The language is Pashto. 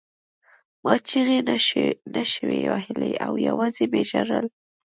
ما چیغې نشوې وهلی او یوازې مې ژړل